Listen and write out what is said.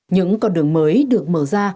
những con đường mới được mở ra